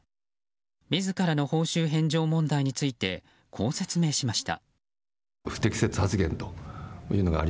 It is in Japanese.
自らの報酬返上問題についてこう説明しました。